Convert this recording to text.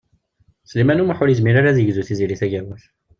Sliman U Muḥ ur yezmir ara ad yegzu Tiziri Tagawawt.